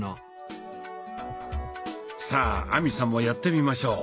さあ亜美さんもやってみましょう。